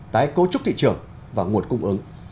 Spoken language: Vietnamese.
tái cấu trúc thị trường và nguồn cung ứng